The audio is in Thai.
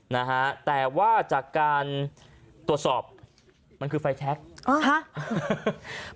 นะฮะแต่ว่าจากการตรวจสอบ